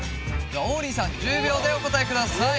王林さん１０秒でお答えください